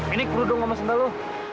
ini perlu dong sama sendal lo